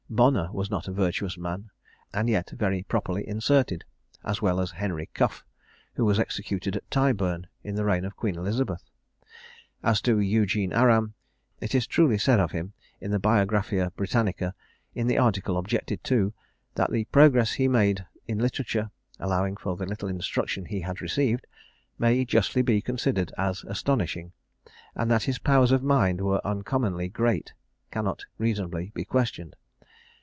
Bonner was not a virtuous man, and yet was very properly inserted, as well as Henry Cuff, who was executed at Tyburn in the reign of Queen Elizabeth. As to Eugene Aram, it is truly said of him in the Biographia Britannica, in the article objected to, that the progress he made in literature, allowing for the little instruction he had received, may justly be considered as astonishing; and that his powers of mind were uncommonly great cannot reasonably be questioned.